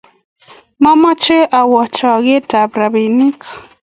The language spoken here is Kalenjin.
Mamache awe chogetab robinik